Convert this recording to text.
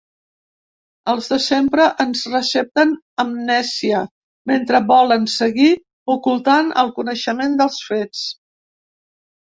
Els de sempre ens recepten amnèsia, mentre volen seguir ocultant el coneixement dels fets.